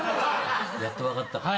やっと分かったか。